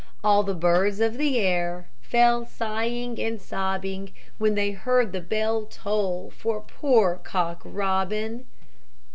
All the birds of the air Fell sighing and sobbing, When they heard the bell toll For poor Cock Robin.